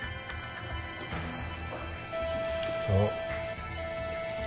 そう。